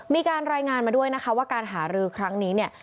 มีการรายงานมาด้วยว่าการหารือครั้งนี้